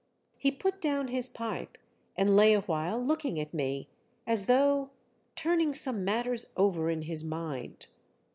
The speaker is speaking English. He put down his pipe and lay awhile looking at me as though turning some matters over in his mind.